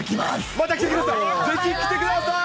また来てください。